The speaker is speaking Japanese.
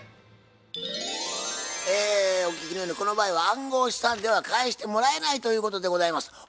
えお聞きのようにこの場合は暗号資産では返してもらえないということでございます。